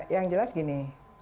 yang jelas gini